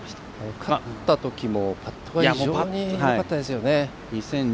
勝ったときもパットは非常によかったですよね。